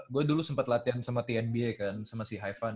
gua dulu sempet latihan sama tnba kan sama si hai fan